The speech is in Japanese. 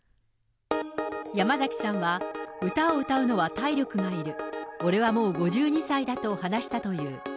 山崎さんは歌を歌うのは体力がいる、俺はもう５２歳だと話したという。